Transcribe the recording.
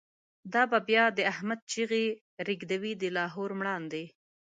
دا به بیا د« احمد» چیغی، ریږدوی د لاهور مړاندی